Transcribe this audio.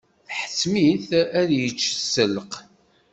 Tḥettem-it ad yečč sselq.